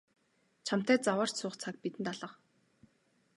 Чамтай заваарч суух цаг бидэнд алга.